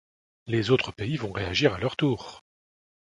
Les autres pays vont réagir à leur tour.